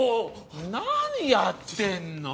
何やってんの。